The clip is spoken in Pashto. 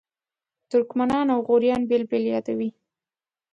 ترکمنان او غوریان بېل بېل یادوي.